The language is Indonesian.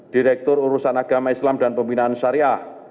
direktur urusan agama islam dan pembinaan syariah